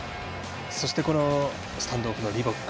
そして、スタンドオフのリボック。